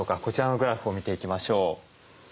こちらのグラフを見ていきましょう。